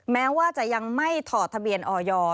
แม้ว่าจะยังไม่ถอดทะเบียนออย